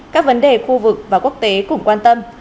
các vấn đề khu vực và quốc tế cũng quan tâm